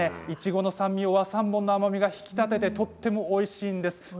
いちごの酸味を和三盆の甘みが引き立ててとてもおいしいんです。